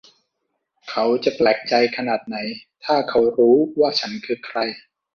เขาจะแปลกใจขนาดไหนถ้าเขารู้ว่าฉันคือใคร